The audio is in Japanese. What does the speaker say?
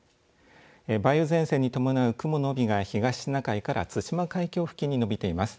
梅雨前線に伴う雲の帯が東シナ海から対馬海峡付近に延びています。